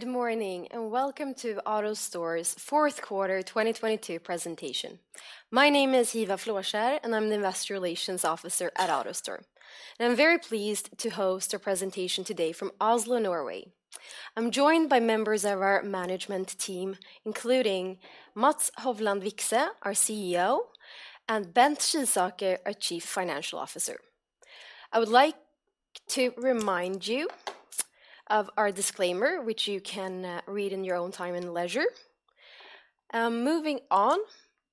Good morning. Welcome to AutoStore's Fourth Quarter 2022 Presentation. My name is Hiva Flåskjer. I'm the Investor Relations Officer at AutoStore. I'm very pleased to host our presentation today from Oslo, Norway. I'm joined by members of our management team, including Mats Hovland Vikse, our CEO, and Bent Skisaker, our Chief Financial Officer. I would like to remind you of our disclaimer, which you can read in your own time and leisure. Moving on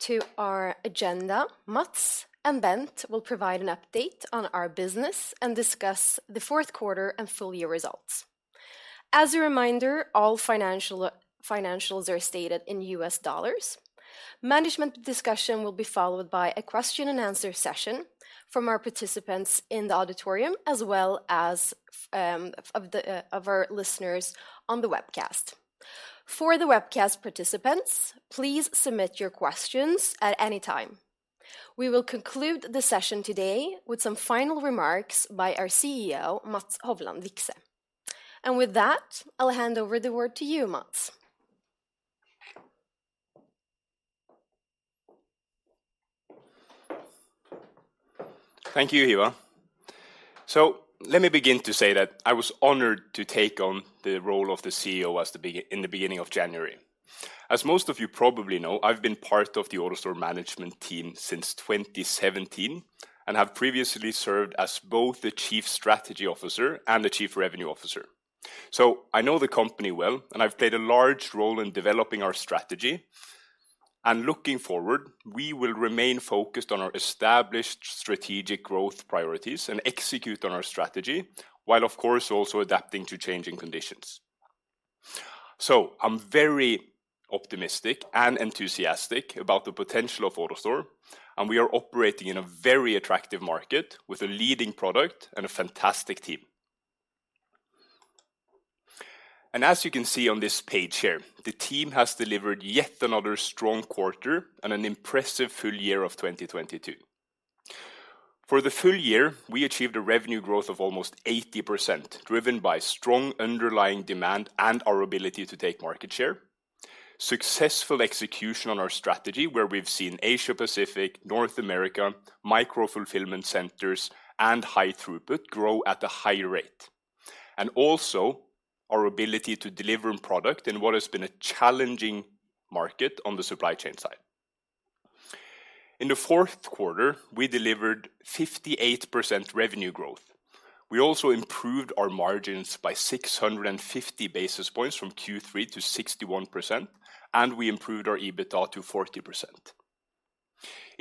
to our agenda, Mats and Bent will provide an update on our business and discuss the fourth quarter and full year results. As a reminder, all financials are stated in U.S. dollars. Management discussion will be followed by a question and answer session from our participants in the auditorium, as well as of our listeners on the webcast. For the webcast participants, please submit your questions at any time. We will conclude the session today with some final remarks by our CEO, Mats Hovland Vikse. With that, I'll hand over the word to you, Mats. Thank you, Hiva. Let me begin to say that I was honored to take on the role of the CEO in the beginning of January. As most of you probably know, I've been part of the AutoStore management team since 2017 and have previously served as both the Chief Strategy Officer and the Chief Revenue Officer. I know the company well, and I've played a large role in developing our strategy. Looking forward, we will remain focused on our established strategic growth priorities and execute on our strategy, while of course, also adapting to changing conditions. I'm very optimistic and enthusiastic about the potential of AutoStore, and we are operating in a very attractive market with a leading product and a fantastic team. As you can see on this page here, the team has delivered yet another strong quarter and an impressive full year of 2022. For the full year, we achieved a revenue growth of almost 80%, driven by strong underlying demand and our ability to take market share. Successful execution on our strategy, where we've seen Asia-Pacific, North America, micro-fulfillment centers, and high throughput grow at a high rate. Also our ability to deliver product in what has been a challenging market on the supply chain side. In the fourth quarter, we delivered 58% revenue growth. We also improved our margins by 650 basis points from Q3 to 61%, and we improved our EBITDA to 40%.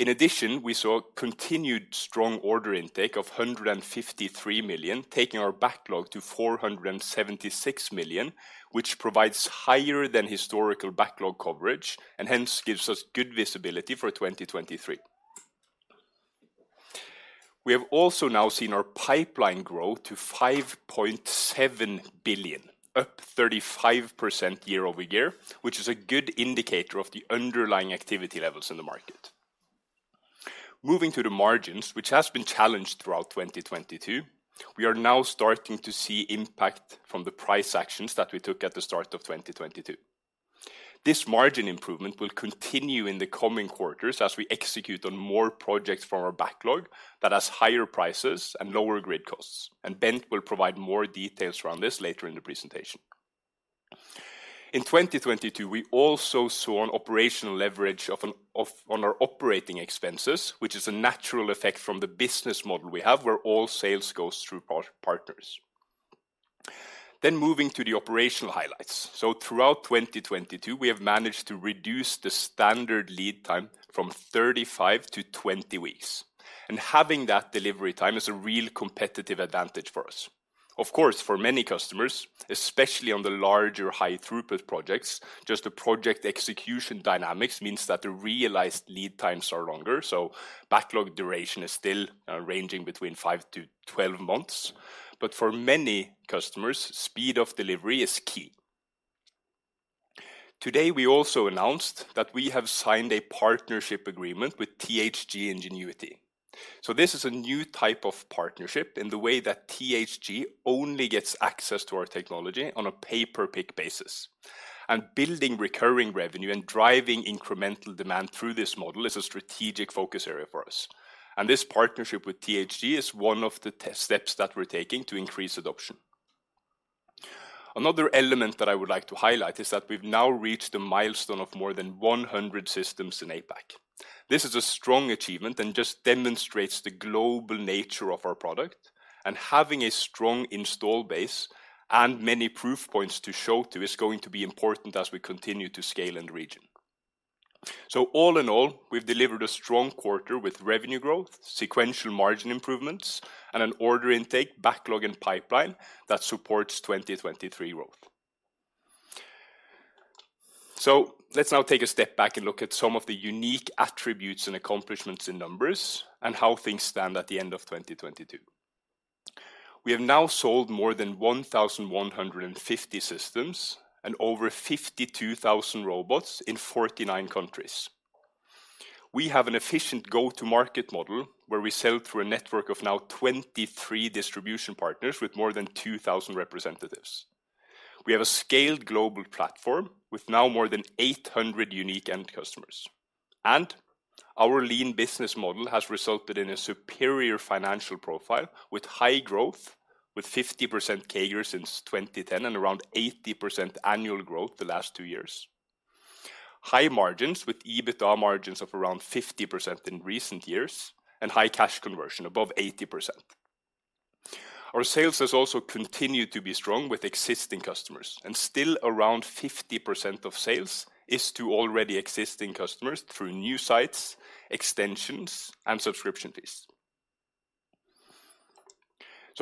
In addition, we saw continued strong order intake of $153 million, taking our backlog to $476 million, which provides higher than historical backlog coverage and hence gives us good visibility for 2023. We have also now seen our pipeline grow to $5.7 billion, up 35% year-over-year, which is a good indicator of the underlying activity levels in the market. Moving to the margins, which has been challenged throughout 2022, we are now starting to see impact from the price actions that we took at the start of 2022. This margin improvement will continue in the coming quarters as we execute on more projects from our backlog that has higher prices and lower Grid costs. Bent will provide more details around this later in the presentation. In 2022, we also saw an operational leverage on our operating expenses, which is a natural effect from the business model we have, where all sales goes through partners. Moving to the operational highlights. Throughout 2022, we have managed to reduce the standard lead time from 35 to 20 weeks. Having that delivery time is a real competitive advantage for us. Of course, for many customers, especially on the larger high throughput projects, just the project execution dynamics means that the realized lead times are longer, so backlog duration is still ranging between five to 12 months. For many customers, speed of delivery is key. Today, we also announced that we have signed a partnership agreement with THG Ingenuity. This is a new type of partnership in the way that THG only gets access to our technology on a pay-per-pick basis. Building recurring revenue and driving incremental demand through this model is a strategic focus area for us. This partnership with THG is one of the steps that we're taking to increase adoption. Another element that I would like to highlight is that we've now reached a milestone of more than 100 systems in APAC. This is a strong achievement and just demonstrates the global nature of our product. Having a strong install base and many proof points to show to is going to be important as we continue to scale in the region. All in all, we've delivered a strong quarter with revenue growth, sequential margin improvements, and an order intake backlog and pipeline that supports 2023 growth. Let's now take a step back and look at some of the unique attributes and accomplishments in numbers and how things stand at the end of 2022. We have now sold more than 1,150 systems and over 52,000 robots in 49 countries. We have an efficient go-to-market model where we sell through a network of now 23 distribution partners with more than 2,000 representatives. We have a scaled global platform with now more than 800 unique end customers. Our lean business model has resulted in a superior financial profile with high growth, with 50% CAGR since 2010 and around 80% annual growth the last two years. High margins with EBITDA margins of around 50% in recent years, and high cash conversion above 80%. Our sales has also continued to be strong with existing customers, still around 50% of sales is to already existing customers through new sites, extensions, and subscription fees.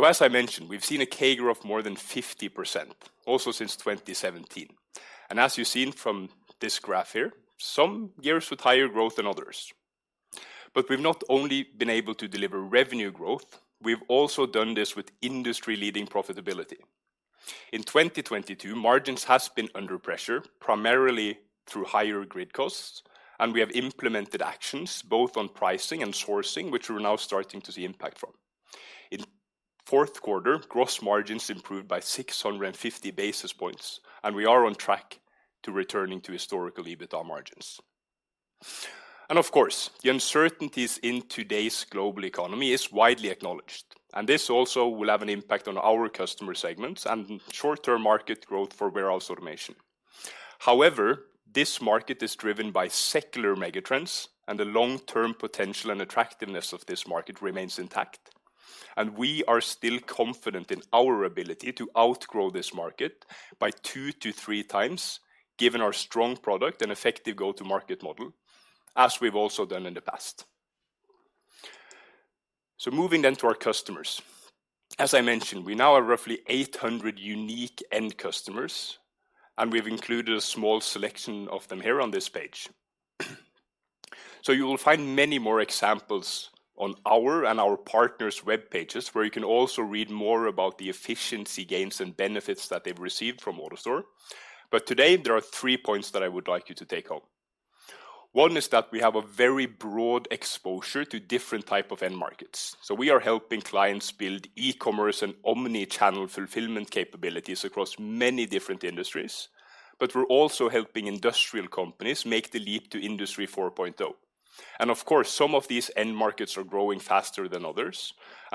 As I mentioned, we've seen a CAGR of more than 50% also since 2017. As you've seen from this graph here, some years with higher growth than others. We've not only been able to deliver revenue growth, we've also done this with industry-leading profitability. In 2022, margins has been under pressure, primarily through higher Grid costs, we have implemented actions both on pricing and sourcing, which we're now starting to see impact from. In fourth quarter, gross margins improved by 650 basis points, we are on track to returning to historical EBITDA margins. Of course, the uncertainties in today's global economy is widely acknowledged, and this also will have an impact on our customer segments and short-term market growth for warehouse automation. However, this market is driven by secular mega trends, the long-term potential and attractiveness of this market remains intact. We are still confident in our ability to outgrow this market by 2x to 3x, given our strong product and effective go-to-market model, as we've also done in the past. Moving to our customers. As I mentioned, we now are roughly 800 unique end customers, we've included a small selection of them here on this page. You will find many more examples on our and our partners' web pages, where you can also read more about the efficiency gains and benefits that they've received from AutoStore. Today, there are three points that I would like you to take home. One is that we have a very broad exposure to different type of end markets. We are helping clients build e-commerce and omnichannel fulfillment capabilities across many different industries, but we're also helping industrial companies make the leap to Industry 4.0. Of course, some of these end markets are growing faster than others.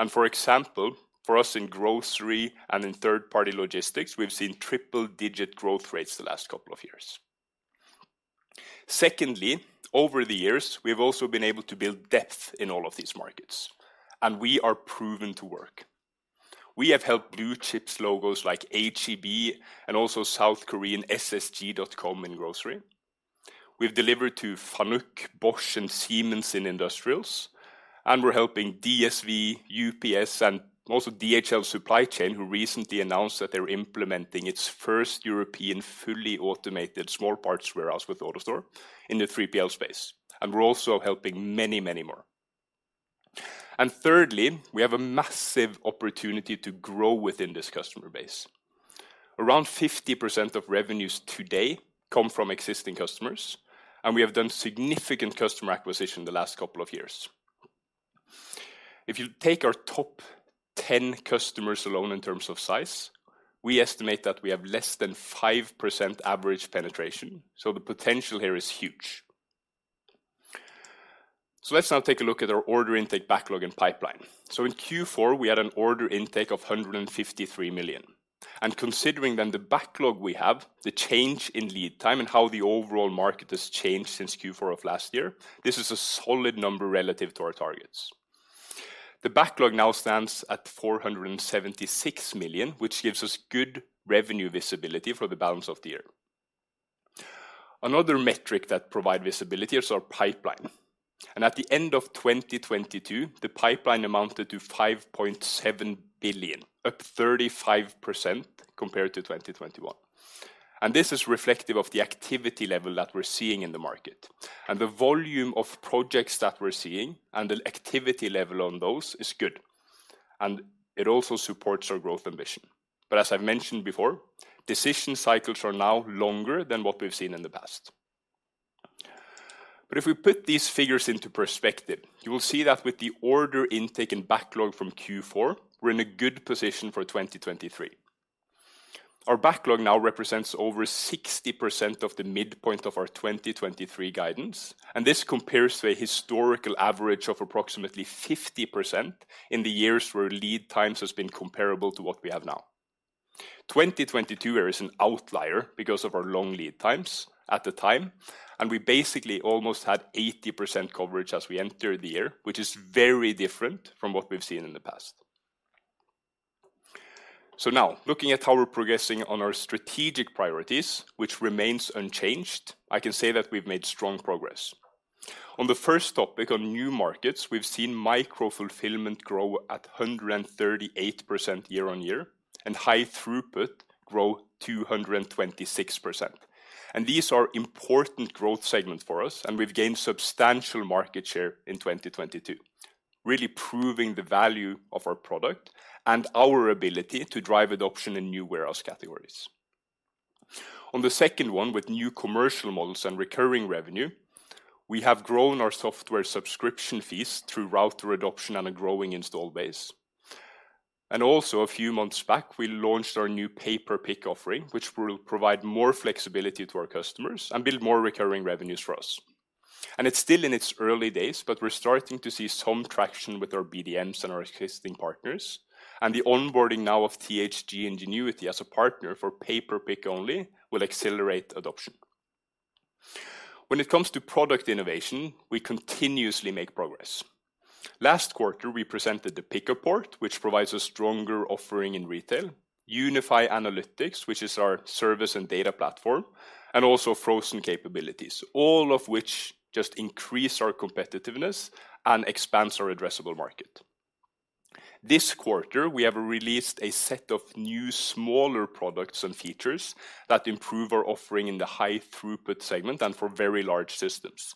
For example, for us in grocery and in third-party logistics, we've seen triple-digit growth rates the last couple of years. Secondly, over the years, we have also been able to build depth in all of these markets, and we are proven to work. We have helped blue chips logos like H-E-B and also South Korean SSG.com in grocery. We've delivered to FANUC, Bosch, and Siemens in industrials, and we're helping DSV, UPS, and also DHL Supply Chain, who recently announced that they're implementing its first European fully automated small parts warehouse with AutoStore in the 3PL space. We're also helping many, many more. Thirdly, we have a massive opportunity to grow within this customer base. Around 50% of revenues today come from existing customers, and we have done significant customer acquisition the last couple of years. If you take our top 10 customers alone in terms of size, we estimate that we have less than 5% average penetration. The potential here is huge. Let's now take a look at our order intake backlog and pipeline. In Q4, we had an order intake of $153 million. Considering then the backlog we have, the change in lead time and how the overall market has changed since Q4 of last year, this is a solid number relative to our targets. The backlog now stands at $476 million, which gives us good revenue visibility for the balance of the year. Another metric that provide visibility is our pipeline. At the end of 2022, the pipeline amounted to $5.7 billion, up 35% compared to 2021. This is reflective of the activity level that we're seeing in the market. The volume of projects that we're seeing and the activity level on those is good. It also supports our growth ambition. As I've mentioned before, decision cycles are now longer than what we've seen in the past. If we put these figures into perspective, you will see that with the order intake and backlog from Q4, we're in a good position for 2023. Our backlog now represents over 60% of the midpoint of our 2023 guidance, and this compares to a historical average of approximately 50% in the years where lead times has been comparable to what we have now. 2022 here is an outlier because of our long lead times at the time, and we basically almost had 80% coverage as we entered the year, which is very different from what we've seen in the past. Now looking at how we're progressing on our strategic priorities, which remains unchanged, I can say that we've made strong progress. On the first topic on new markets, we've seen micro-fulfillment grow at 138% year-over-year and high throughput grow 226%. These are important growth segments for us, and we've gained substantial market share in 2022, really proving the value of our product and our ability to drive adoption in new warehouse categories. On the second one, with new commercial models and recurring revenue, we have grown our software subscription fees through Router adoption and a growing install base. Also a few months back, we launched our new pay-per-pick offering, which will provide more flexibility to our customers and build more recurring revenues for us. It's still in its early days, but we're starting to see some traction with our BDMs and our existing partners, and the onboarding now of THG Ingenuity as a partner for pay-per-pick only will accelerate adoption. When it comes to product innovation, we continuously make progress. Last quarter, we presented the PickUpPort, which provides a stronger offering in retail, Unify Analytics, which is our service and data platform, and also frozen capabilities, all of which just increase our competitiveness and expands our addressable market. This quarter, we have released a set of new smaller products and features that improve our offering in the high-throughput segment and for very large systems.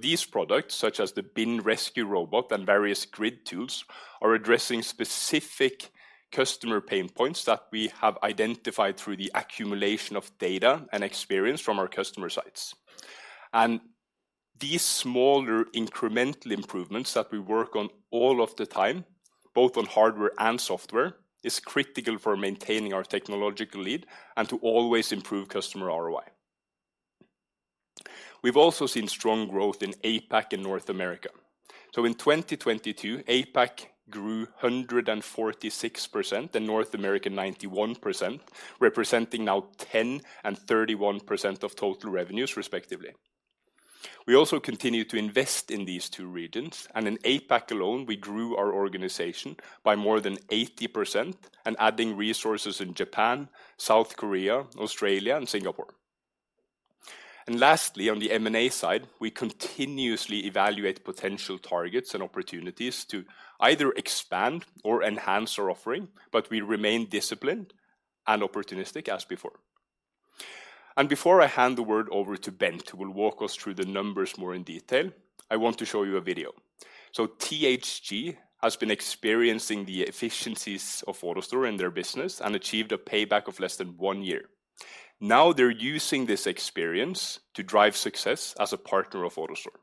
These products, such as the Bin ResQ Robot and various grid tools, are addressing specific customer pain points that we have identified through the accumulation of data and experience from our customer sites. These smaller incremental improvements that we work on all of the time, both on hardware and software, is critical for maintaining our technological lead and to always improve customer ROI. In 2022, APAC grew 146% and North America, 91%, representing now 10% and 31% of total revenues, respectively. We also continue to invest in these two regions. In APAC alone, we grew our organization by more than 80% and adding resources in Japan, South Korea, Australia, and Singapore. Lastly, on the M&A side, we continuously evaluate potential targets and opportunities to either expand or enhance our offering, but we remain disciplined and opportunistic as before. Before I hand the word over to Bent, who will walk us through the numbers more in detail, I want to show you a video. THG has been experiencing the efficiencies of AutoStore in their business and achieved a payback of less than one year. Now they're using this experience to drive success as a partner of AutoStore.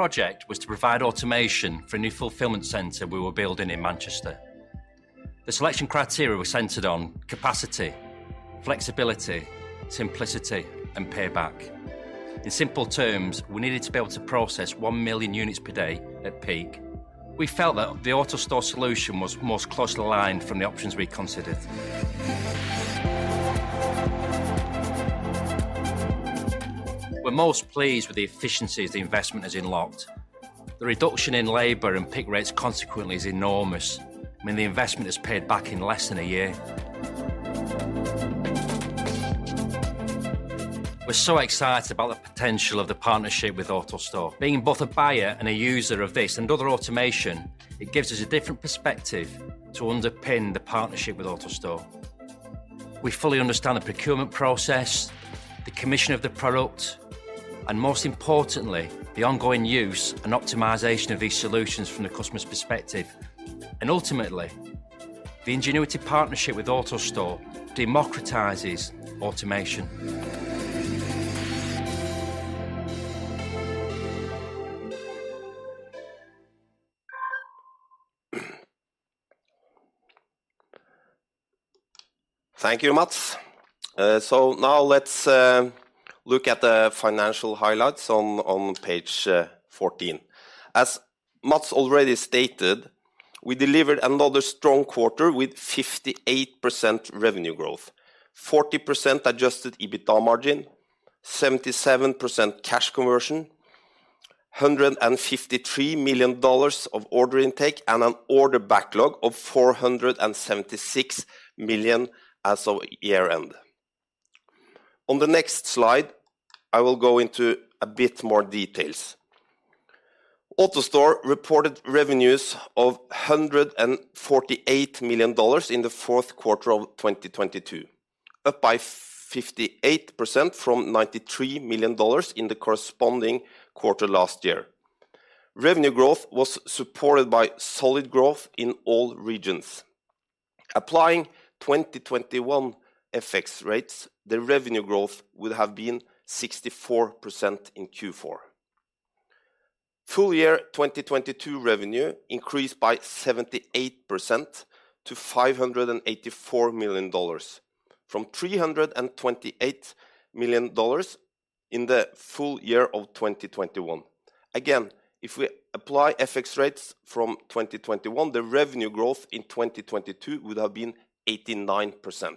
The project was to provide automation for a new fulfillment center we were building in Manchester. The selection criteria were centered on capacity, flexibility, simplicity, and payback. In simple terms, we needed to be able to process 1 million units per day at peak. We felt that the AutoStore solution was most closely aligned from the options we considered. We're most pleased with the efficiencies the investment has unlocked. The reduction in labor and pick rates consequently is enormous. I mean, the investment is paid back in less than a year. We're so excited about the potential of the partnership with AutoStore. Being both a buyer and a user of this and other automation, it gives us a different perspective to underpin the partnership with AutoStore. We fully understand the procurement process, the commission of the product, and most importantly, the ongoing use and optimization of these solutions from the customer's perspective. Ultimately, the Ingenuity partnership with AutoStore democratizes automation. Thank you, Mats. Now let's look at the financial highlights on page 14. As Mats already stated, we delivered another strong quarter with 58% revenue growth, 40% Adjusted EBITDA margin, 77% cash conversion, $153 million of order intake, and an order backlog of $476 million as of year-end. On the next slide, I will go into a bit more details. AutoStore reported revenues of $148 million in the fourth quarter of 2022, up by 58% from $93 million in the corresponding quarter last year. Revenue growth was supported by solid growth in all regions. Applying 2021 FX rates, the revenue growth would have been 64% in Q4. Full year 2022 revenue increased by 78% to $584 million, from $328 million in the full year of 2021. Again, if we apply FX rates from 2021, the revenue growth in 2022 would have been 89%.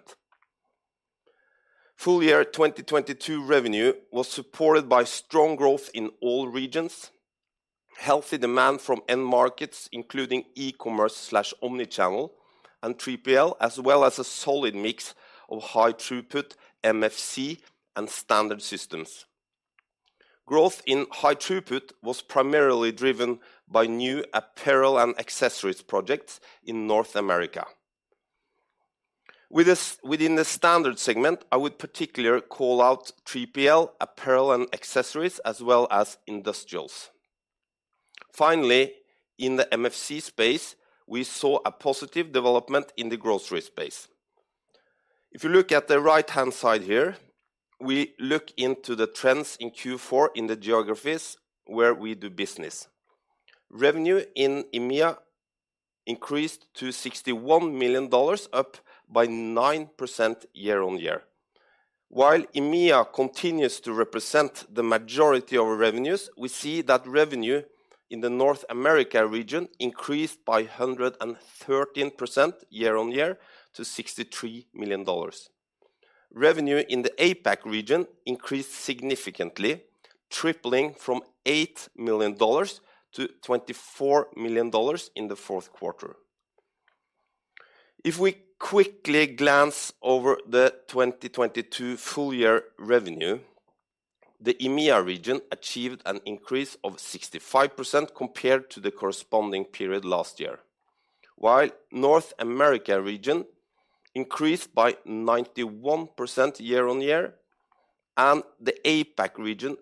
Full year 2022 revenue was supported by strong growth in all regions, healthy demand from end markets, including e-commerce/omnichannel, and 3PL, as well as a solid mix of high throughput MFC and standard systems. Growth in high throughput was primarily driven by new apparel and accessories projects in North America. With this, within the standard segment, I would particularly call out 3PL, apparel and accessories, as well as industrials. Finally, in the MFC space, we saw a positive development in the grocery space. If you look at the right-hand side here, we look into the trends in Q4 in the geographies where we do business. Revenue in EMEA increased to $61 million, up by 9% year-on-year. While EMEA continues to represent the majority of our revenues, we see that revenue in the North America region increased by 113% year-on-year to $63 million. Revenue in the APAC region increased significantly, tripling from $8 million to $24 million in the fourth quarter. If we quickly glance over the 2022 full year revenue, the EMEA region achieved an increase of 65% compared to the corresponding period last year, while North America region increased by 91% year-on-year. The APAC region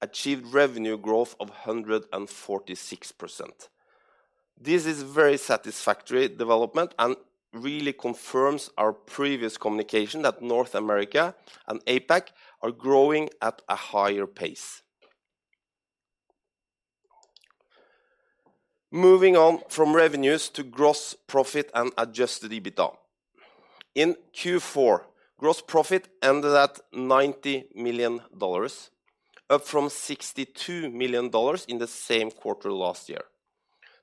achieved revenue growth of 146%. This is very satisfactory development and really confirms our previous communication that North America and APAC are growing at a higher pace. Moving on from revenues to gross profit and Adjusted EBITDA. In Q4, gross profit ended at $90 million, up from $62 million in the same quarter last year.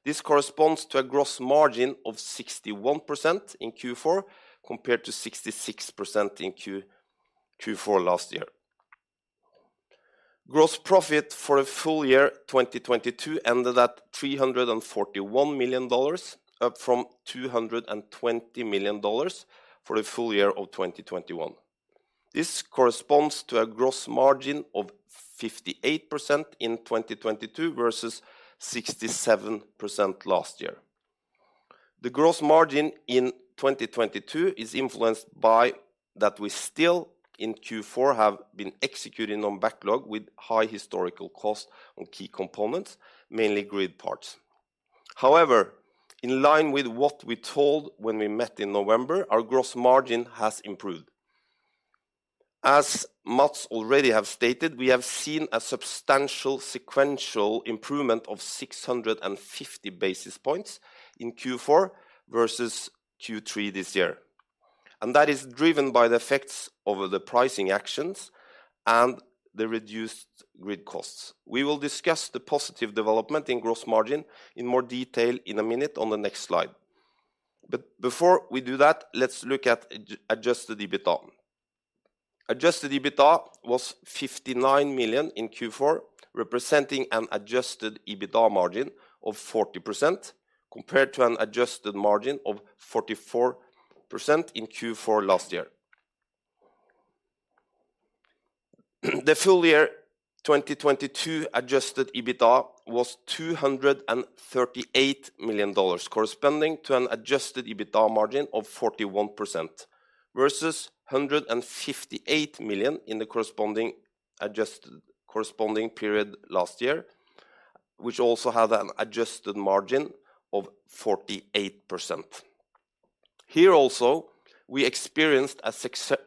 This corresponds to a gross margin of 61% in Q4 compared to 66% in Q4 last year. Gross profit for a full year 2022 ended at $341 million, up from $220 million for the full year of 2021. This corresponds to a gross margin of 58% in 2022 versus 67% last year. The gross margin in 2022 is influenced by that we still in Q4 have been executing on backlog with high historical cost on key components, mainly Grid parts. In line with what we told when we met in November, our gross margin has improved. As Mats already have stated, we have seen a substantial sequential improvement of 650 basis points in Q4 versus Q3 this year, that is driven by the effects of the pricing actions and the reduced Grid costs. We will discuss the positive development in gross margin in more detail in a minute on the next slide. Before we do that, let's look at Adjusted EBITDA. Adjusted EBITDA was $59 million in Q4, representing an Adjusted EBITDA margin of 40% compared to an adjusted margin of 44% in Q4 last year. The full year 2022 Adjusted EBITDA was $238 million, corresponding to an Adjusted EBITDA margin of 41% versus $158 million in the corresponding period last year, which also had an adjusted margin of 48%. Also, we experienced a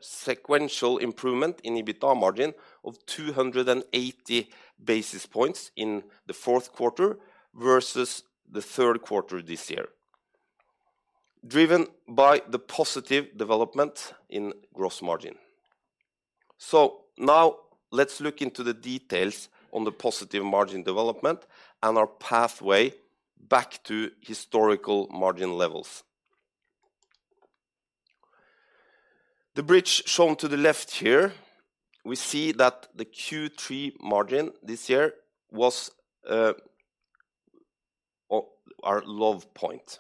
sequential improvement in EBITDA margin of 280 basis points in the fourth quarter versus the third quarter this year, driven by the positive development in gross margin. Now let's look into the details on the positive margin development and our pathway back to historical margin levels. The bridge shown to the left here, we see that the Q3 margin this year was our low point.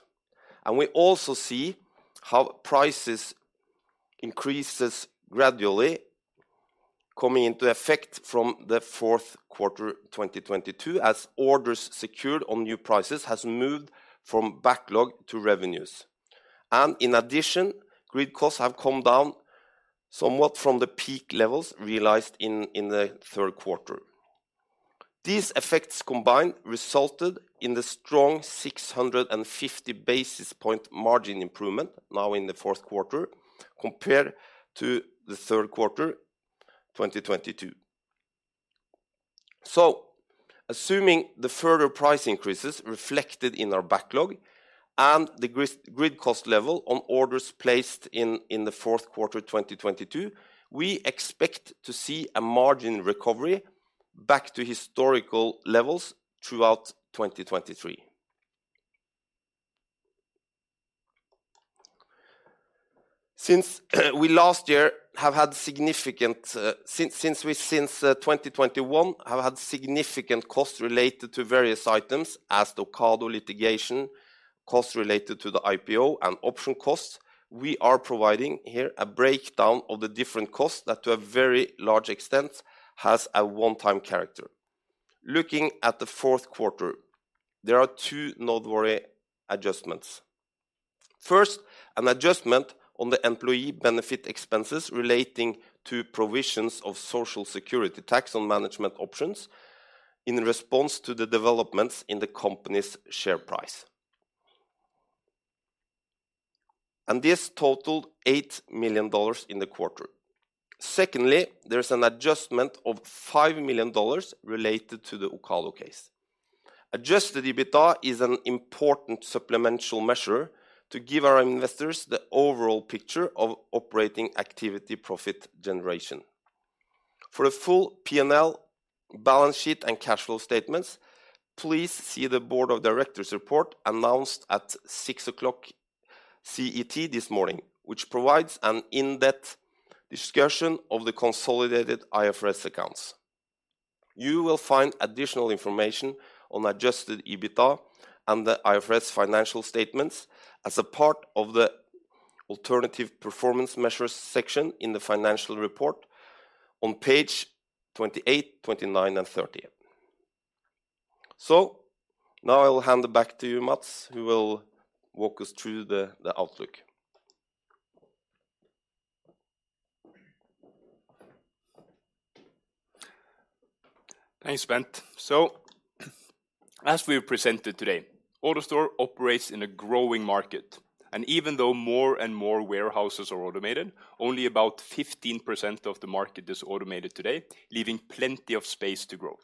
We also see how prices increases gradually coming into effect from the fourth quarter 2022 as orders secured on new prices has moved from backlog to revenues. In addition, Grid costs have come down somewhat from the peak levels realized in the third quarter. These effects combined resulted in the strong 650 basis point margin improvement now in the fourth quarter compared to the third quarter 2022. Assuming the further price increases reflected in our backlog and the Grid cost level on orders placed in the fourth quarter 2022, we expect to see a margin recovery back to historical levels throughout 2023. Since 2021 have had significant costs related to various items as Ocado litigation, costs related to the IPO and option costs, we are providing here a breakdown of the different costs that to a very large extent has a one-time character. Looking at the fourth quarter, there are two noteworthy adjustments. First, an adjustment on the employee benefit expenses relating to provisions of Social Security tax on management options in response to the developments in the company's share price. This totaled $8 million in the quarter. There's an adjustment of $5 million related to the Ocado case. Adjusted EBITDA is an important supplemental measure to give our investors the overall picture of operating activity profit generation. For a full P&L, balance sheet, and cash flow statements, please see the board of directors report announced at 6:00 A.M. CET this morning, which provides an in-depth discussion of the consolidated IFRS accounts. You will find additional information on Adjusted EBITDA and the IFRS financial statements as a part of the alternative performance measures section in the financial report on page 28, 29, and 30. Now I'll hand it back to you, Mats, who will walk us through the outlook. Thanks, Bent. As we've presented today, AutoStore operates in a growing market, and even though more and more warehouses are automated, only about 15% of the market is automated today, leaving plenty of space to grow.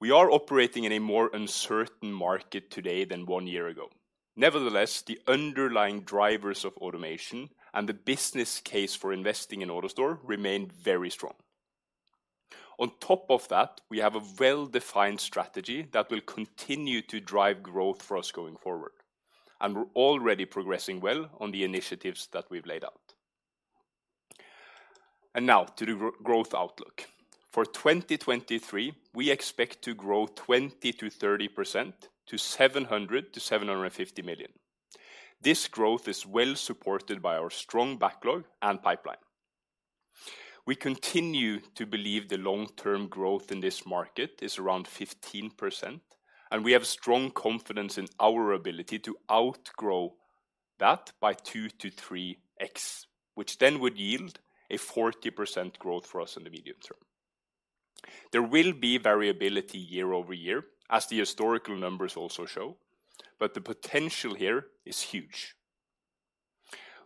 We are operating in a more uncertain market today than one year ago. Nevertheless, the underlying drivers of automation and the business case for investing in AutoStore remain very strong. On top of that, we have a well-defined strategy that will continue to drive growth for us going forward, and we're already progressing well on the initiatives that we've laid out. Now to the growth outlook. For 2023, we expect to grow 20%-30% to $700 million-$750 million. This growth is well-supported by our strong backlog and pipeline. We continue to believe the long-term growth in this market is around 15%, we have strong confidence in our ability to outgrow that by 2x to 3x, which would yield a 40% growth for us in the medium term. There will be variability year-over-year, as the historical numbers also show, the potential here is huge.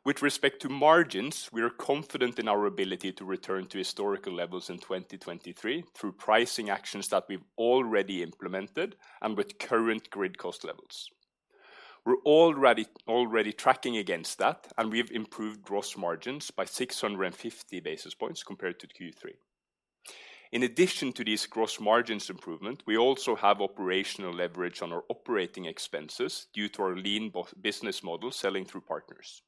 With respect to margins, we are confident in our ability to return to historical levels in 2023 through pricing actions that we've already implemented and with current Grid cost levels. We're already tracking against that, we've improved gross margins by 650 basis points compared to Q3. In addition to this gross margins improvement, we also have operational leverage on our operating expenses due to our lean business model selling through partners.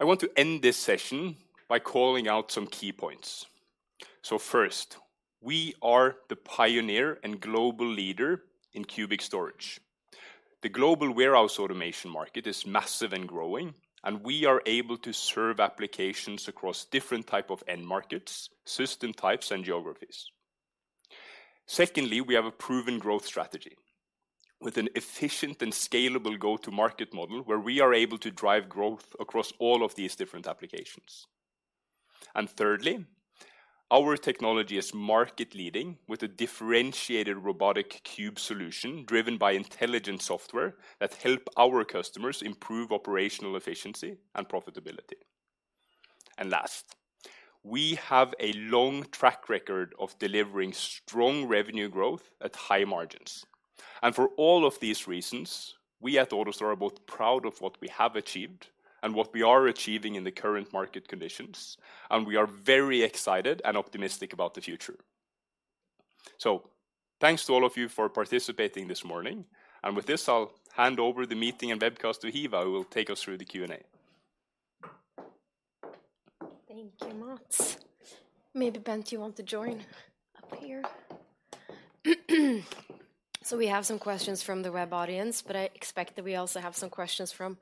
I want to end this session by calling out some key points. First, we are the pioneer and global leader in cubic storage. The global warehouse automation market is massive and growing, and we are able to serve applications across different type of end markets, system types, and geographies. Secondly, we have a proven growth strategy with an efficient and scalable go-to-market model where we are able to drive growth across all of these different applications. Thirdly, our technology is market-leading with a differentiated robotic cube solution driven by intelligent software that help our customers improve operational efficiency and profitability. Last, we have a long track record of delivering strong revenue growth at high margins. For all of these reasons, we at AutoStore are both proud of what we have achieved and what we are achieving in the current market conditions, and we are very excited and optimistic about the future. Thanks to all of you for participating this morning. With this, I'll hand over the meeting and webcast to Hiva, who will take us through the Q&A. Thank you, Mats. Maybe, Bent, you want to join up here? We have some questions from the web audience, but I expect that we also have some questions from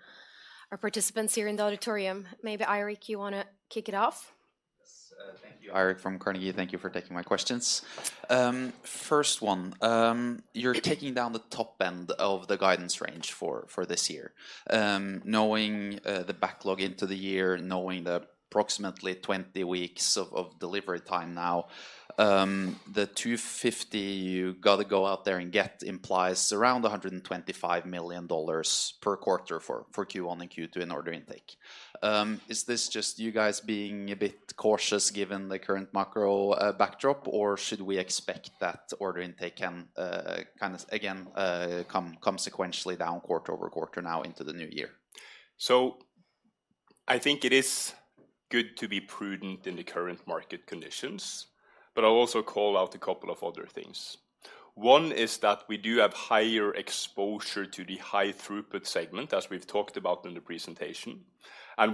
our participants here in the auditorium. Maybe Eirik, you wanna kick it off? Yes. Thank you. Eirik from Carnegie. Thank you for taking my questions. First one, you're taking down the top end of the guidance range for this year. Knowing the backlog into the year, knowing the approximately 20 weeks of delivery time now, the $250 you gotta go out there and get implies around $125 million per quarter for Q1 and Q2 in order intake. Is this just you guys being a bit cautious given the current macro backdrop, or should we expect that order intake can kind of again consequentially down quarter over quarter now into the new year? I think it is good to be prudent in the current market conditions, but I'll also call out a couple of other things. One is that we do have higher exposure to the high throughput segment, as we've talked about in the presentation.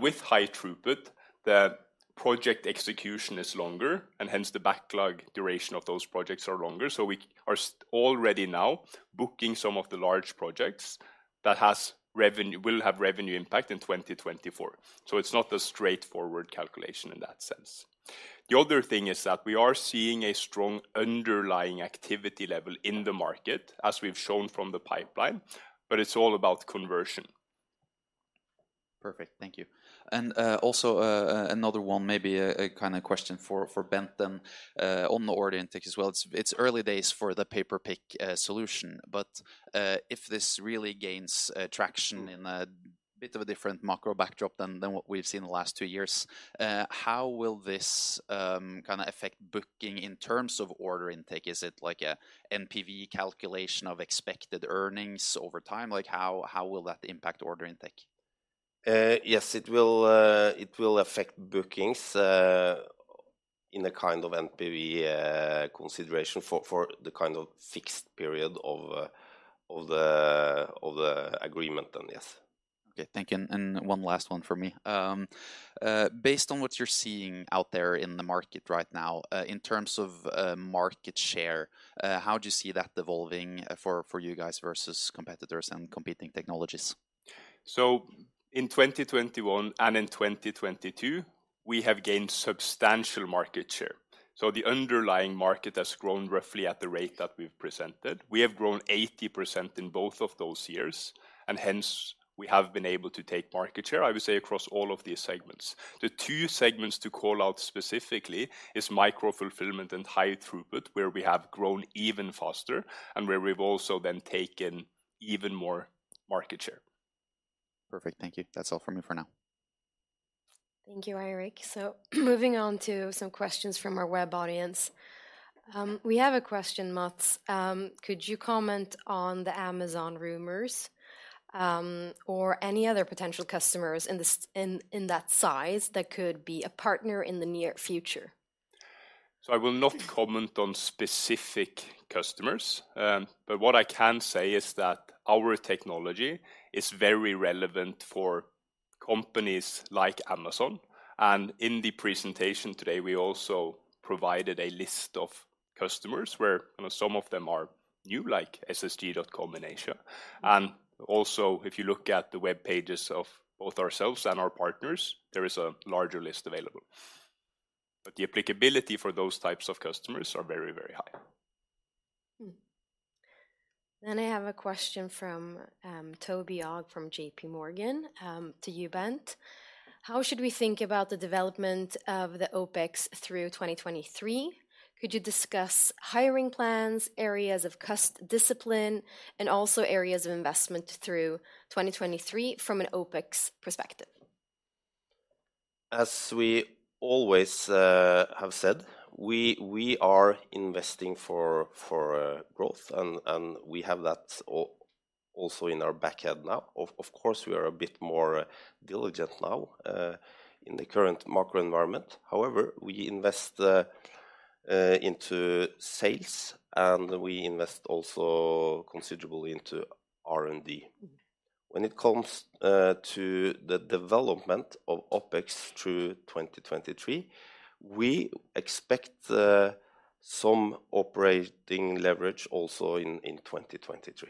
With high throughput, the project execution is longer, and hence the backlog duration of those projects are longer. We are already now booking some of the large projects that will have revenue impact in 2024. It's not a straightforward calculation in that sense. The other thing is that we are seeing a strong underlying activity level in the market, as we've shown from the pipeline, but it's all about conversion. Perfect. Thank you. Also another one maybe a kind of question for Bent Skisaker then on the order intake as well. It's early days for the pay-per-pick solution. If this really gains traction in a bit of a different macro backdrop than what we've seen in the last two years, how will this kind of affect booking in terms of order intake? Is it like a NPV calculation of expected earnings over time? Like, how will that impact order intake? Yes, it will affect bookings in a kind of NPV consideration for the kind of fixed period of the agreement then, yes. Okay. Thank you. One last one for me. Based on what you're seeing out there in the market right now, in terms of market share, how do you see that evolving for you guys versus competitors and competing technologies? In 2021 and in 2022, we have gained substantial market share. The underlying market has grown roughly at the rate that we've presented. We have grown 80% in both of those years, and hence, we have been able to take market share, I would say, across all of these segments. The two segments to call out specifically is micro-fulfillment and high throughput, where we have grown even faster and where we've also then taken even more market share. Perfect. Thank you. That's all from me for now. Thank you, Eirik. Moving on to some questions from our web audience. We have a question, Mats. Could you comment on the Amazon rumors, or any other potential customers in that size that could be a partner in the near future? I will not comment on specific customers. What I can say is that our technology is very relevant for companies like Amazon. In the presentation today, we also provided a list of customers where, you know, some of them are new, like SSG.com in Asia. Also, if you look at the web pages of both ourselves and our partners, there is a larger list available. The applicability for those types of customers are very, very high. I have a question from Toby Ogg from JPMorgan to you, Bent. How should we think about the development of the OpEx through 2023? Could you discuss hiring plans, areas of cust discipline, and also areas of investment through 2023 from an OpEx perspective? As we always have said, we are investing for growth, and we have that also in our back head now. Of course, we are a bit more diligent now in the current macro environment. However, we invest into sales, and we invest also considerably into R&D. When it comes to the development of OpEx through 2023, we expect some operating leverage also in 2023.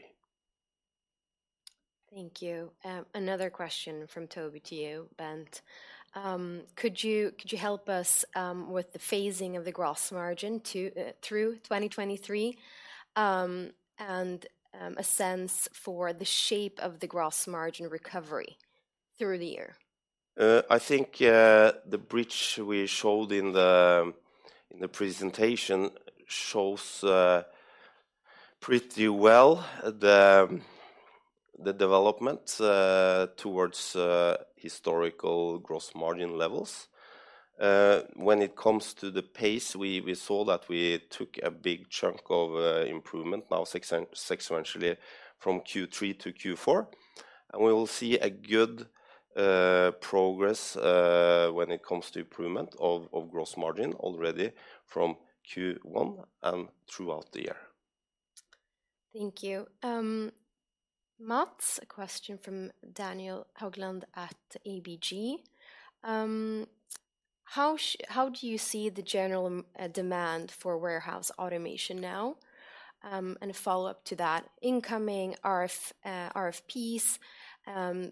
Thank you. Another question from Toby to you, Bent. Could you help us with the phasing of the gross margin to through 2023? A sense for the shape of the gross margin recovery through the year. I think the bridge we showed in the presentation shows pretty well the development towards historical gross margin levels. When it comes to the pace, we saw that we took a big chunk of improvement now sequentially from Q3 to Q4. We will see a good progress when it comes to improvement of gross margin already from Q1 and throughout the year. Thank you. Mats, a question from Daniel Haugland at ABG. How do you see the general demand for warehouse automation now? A follow-up to that, incoming RFPs,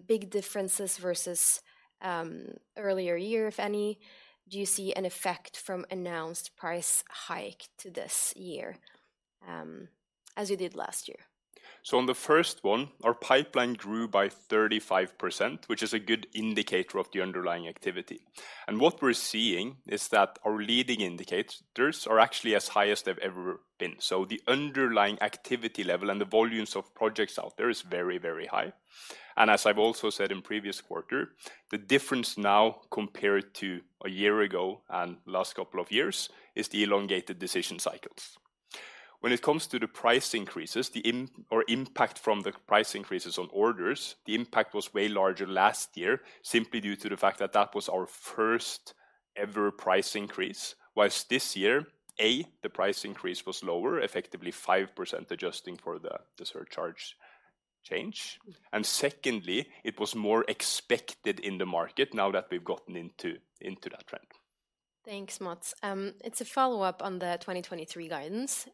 big differences versus earlier year, if any. Do you see an effect from announced price hike to this year, as you did last year? On the first one, our pipeline grew by 35%, which is a good indicator of the underlying activity. What we're seeing is that our leading indicators are actually as highest they've ever been. The underlying activity level and the volumes of projects out there is very, very high. As I've also said in previous quarter, the difference now compared to a year ago and last couple of years is the elongated decision cycles. When it comes to the price increases, the impact from the price increases on orders, the impact was way larger last year simply due to the fact that that was our first-ever price increase. Whilst this year, A, the price increase was lower, effectively 5% adjusting for the surcharge change. Secondly, it was more expected in the market now that we've gotten into that trend. Thanks, Mats. It's a follow-up on the 2023 guidance.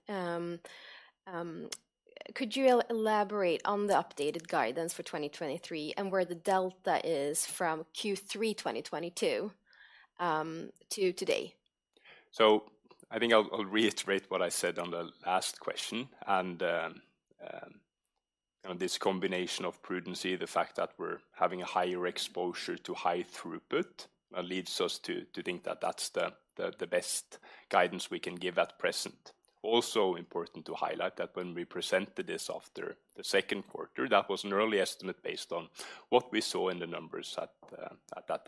Could you elaborate on the updated guidance for 2023 and where the delta is from Q3 2022 to today? I think I'll reiterate what I said on the last question and, on this combination of prudency, the fact that we're having a higher exposure to high throughput, leads us to think that that's the best guidance we can give at present. Important to highlight that when we presented this after the second quarter, that was an early estimate based on what we saw in the numbers at that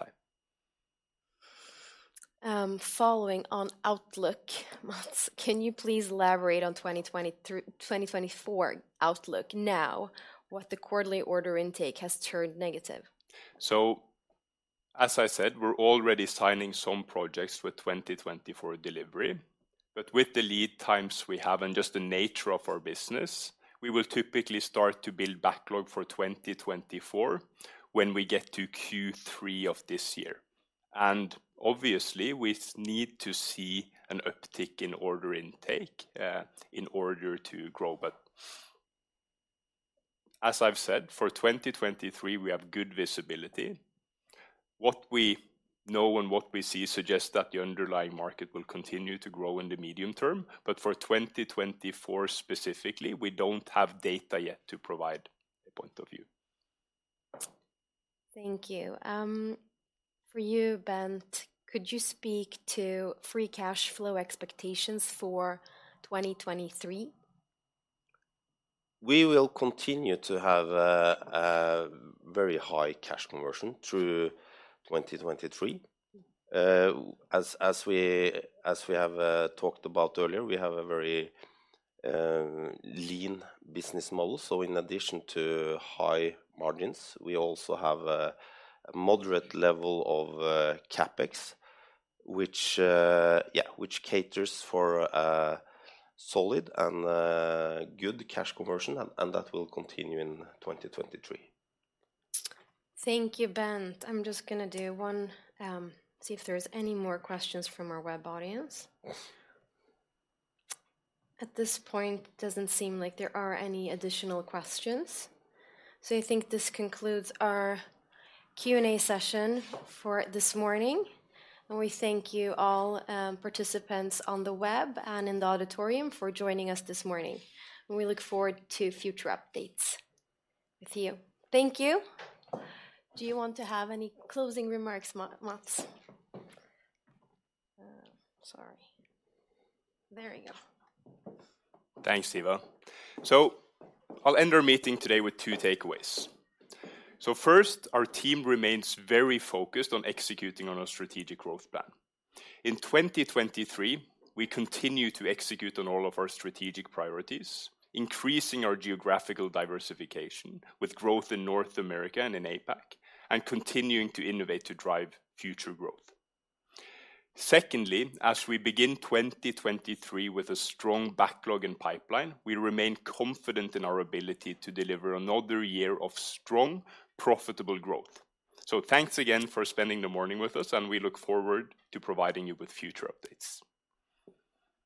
time. following on outlook, Mats, can you please elaborate on 2024 outlook now, what the quarterly order intake has turned negative? As I said, we're already signing some projects with 2024 delivery. With the lead times we have and just the nature of our business, we will typically start to build backlog for 2024 when we get to Q3 of this year. Obviously we need to see an uptick in order intake in order to grow. As I've said, for 2023 we have good visibility. What we know and what we see suggests that the underlying market will continue to grow in the medium term. For 2024 specifically, we don't have data yet to provide a point of view. Thank you. For you, Bent, could you speak to free cash flow expectations for 2023? We will continue to have a very high cash conversion through 2023. As we have talked about earlier, we have a very lean business model. In addition to high margins, we also have a moderate level of CapEx, which caters for a solid and a good cash conversion, and that will continue in 2023. Thank you, Bent. I'm just gonna do one. See if there's any more questions from our web audience. At this point, it doesn't seem like there are any additional questions. I think this concludes our Q&A session for this morning. We thank you all, participants on the web and in the auditorium for joining us this morning. We look forward to future updates with you. Thank you. Do you want to have any closing remarks, Mats? Sorry. There we go. Thanks, Hiva. I'll end our meeting today with two takeaways. First, our team remains very focused on executing on our strategic growth plan. In 2023, we continue to execute on all of our strategic priorities, increasing our geographical diversification with growth in North America and in APAC, and continuing to innovate to drive future growth. Secondly, as we begin 2023 with a strong backlog in pipeline, we remain confident in our ability to deliver another year of strong, profitable growth. Thanks again for spending the morning with us, and we look forward to providing you with future updates.